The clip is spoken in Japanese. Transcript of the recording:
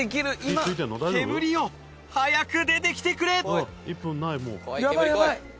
煙よ早く出てきてくれ！